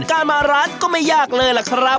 การมาร้านก็ไม่ยากเลยล่ะครับ